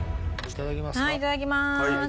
いただきます。